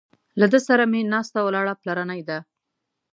له ده سره مې ناسته ولاړه پلرنۍ ده.